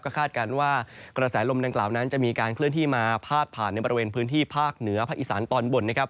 คาดการณ์ว่ากระแสลมดังกล่าวนั้นจะมีการเคลื่อนที่มาพาดผ่านในบริเวณพื้นที่ภาคเหนือภาคอีสานตอนบนนะครับ